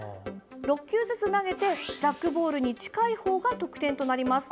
６球ずつ投げてジャックボールに近いほうが得点となります。